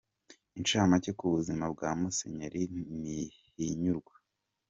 Incamake ku buzima bwa Musenyeri Ntihinyurwa.